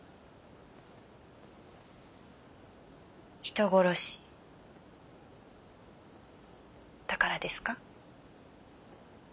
人殺しだからですか？